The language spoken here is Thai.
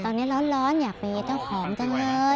ตอนนี้ร้อนอยากมีเจ้าของจังเลย